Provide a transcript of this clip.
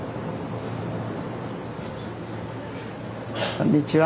こんにちは。